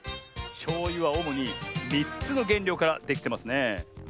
しょうゆはおもに３つのげんりょうからできてますね。